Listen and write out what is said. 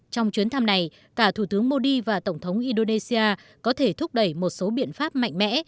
trong chuyến thăm này cả thủ tướng modi và tổng thống indonesia có thể thúc đẩy một số biện pháp mạnh mẽ